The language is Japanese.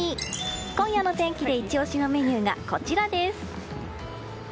今夜の天気でイチ押しのメニューがこちらです。